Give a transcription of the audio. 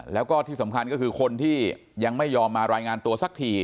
แล้วก็ที่สำคัญก็คือคนที่ยังไม่ยอมมารายงานตัวสักที